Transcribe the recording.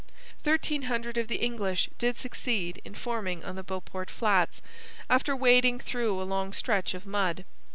Thirteen hundred of the English did succeed in forming on the Beauport Flats, after wading through a long stretch of mud.